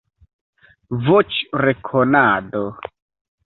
Voĉrekonado